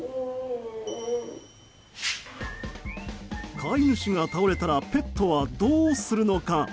飼い主が倒れたらペットはどうするのか。